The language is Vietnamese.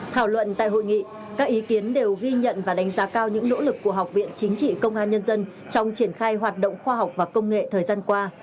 thảo luận tại hội nghị các ý kiến đều ghi nhận và đánh giá cao những nỗ lực của học viện chính trị công an nhân dân trong triển khai hoạt động khoa học và công nghệ thời gian qua